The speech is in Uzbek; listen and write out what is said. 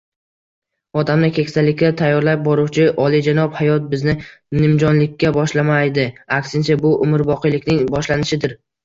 Odamni keksalikka tayyorlab boruvchi oliyjanob hayot bizni nimjonlikka boshlamaydi. Aksincha, bu umrboqiylikning boshlanishidir.